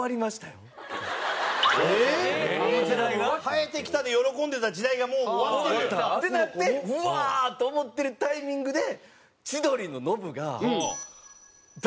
生えてきたで喜んでた時代がもう終わってる？ってなってうわー！と思ってるタイミングで千鳥のノブが脱毛したと。